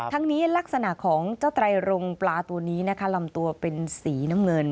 ทั้งนี้ลักษณะของเจ้าไตรรงปลาตัวนี้นะคะลำตัวเป็นสีน้ำเงิน